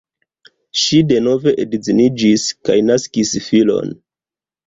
Ŝi denove edziniĝis kaj naskis filon.